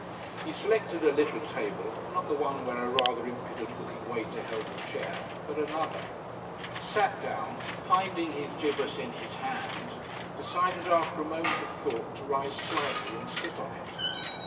He selected a little table not the one where a rather impudent looking waiter held a chair, but another sat down, and finding his gibus in his hand, decided after a moment of thought to rise slightly and sit on it.